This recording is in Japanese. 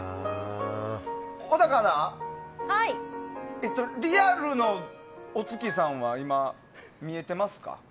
小高アナ、リアルのお月さんは今、見えてますか？